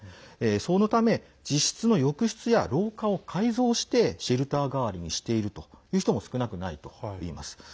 そのため自室の浴室や廊下を改造してシェルター代わりにしているという人も少なくないといいます。